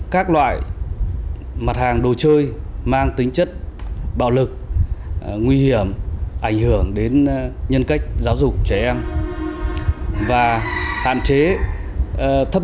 các loại mặt hàng đồ chơi mang tính chất bạo lực nguy hiểm ảnh hưởng đến nhân cách giáo dục trẻ em